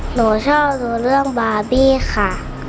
หนูชอบกระตุ๋เรื่องบับบี้ค่ะ